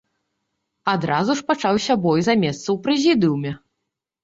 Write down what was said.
Адразу ж пачаўся бой за месцы ў прэзідыуме.